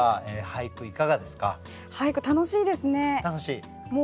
俳句楽しいですね。